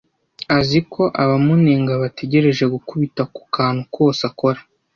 Azi ko abamunenga bategereje gukubita ku kantu kose akora.